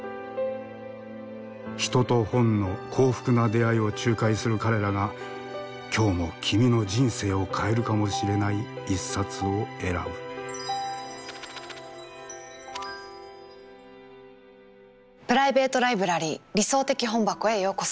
人と本の幸福な出会いを仲介する彼らが今日も君の人生を変えるかもしれない一冊を選ぶプライベート・ライブラリー「理想的本箱」へようこそ。